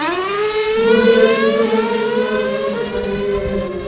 বলিয়া দ্রুতবেগে শোবার ঘর হইতে বাহির হইয়া গেল।